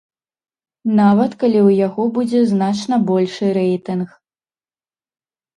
Нават калі ў яго будзе значна большы рэйтынг.